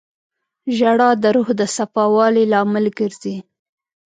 • ژړا د روح د صفا والي لامل ګرځي.